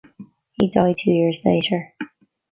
He died two years later.